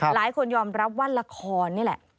หลายคนยอมรับว่าละครนี่แหละ